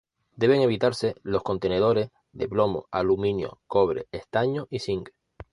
Deben evitarse los contenedores de plomo, aluminio, cobre, estaño y cinc.